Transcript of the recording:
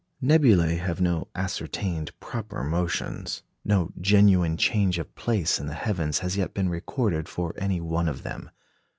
Nebulæ have no ascertained proper motions. No genuine change of place in the heavens has yet been recorded for any one of them.